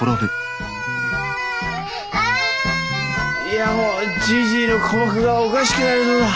いやもうじいじの鼓膜がおかしくなりそうだ。